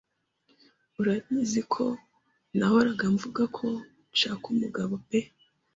Urabizi ko nahoraga mvuga ko nshaka umgabo pe